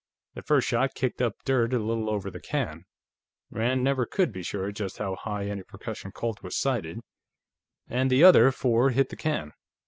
The first shot kicked up dirt a little over the can Rand never could be sure just how high any percussion Colt was sighted and the other four hit the can.